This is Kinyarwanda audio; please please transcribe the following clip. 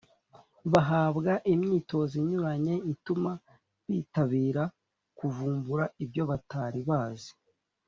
bahabwa imyitozo inyuranye ituma bitabira kuvumbura ibyo batari bazi